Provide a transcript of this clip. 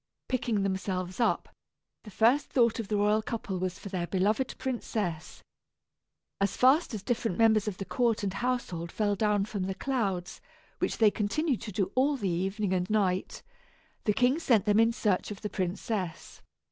Picking themselves up, the first thought of the royal couple was for their beloved princess. As fast as different members of the court and household fell down from the clouds, which they continued to do all the evening and night, the king sent them in search of the princess.